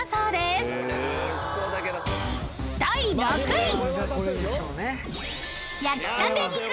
［第６位］